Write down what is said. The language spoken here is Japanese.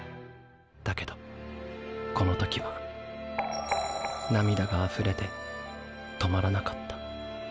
だけどこの時は涙があふれてとまらなかった。